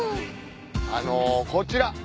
あのこちら。